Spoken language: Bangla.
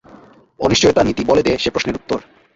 অনিশ্চিয়তা–নীতি বলে দেয় সে প্রশ্নের উত্তর।